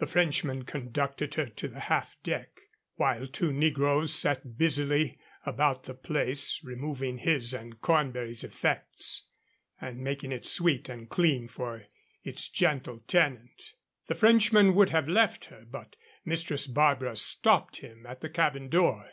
The Frenchman conducted her to the half deck, while two negroes set busily about the place, removing his and Cornbury's effects and making it sweet and clean for its gentle tenant. The Frenchman would have left her, but Mistress Barbara stopped him at the cabin door.